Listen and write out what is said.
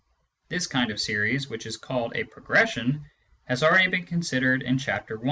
The kind of series which is called a " progression " has already been considered in Chapter I.